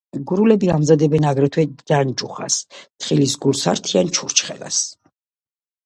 გურულები ამზადებენ აგრეთვე ჯანჯუხას — თხილისგულსართიან ჩურჩხელას.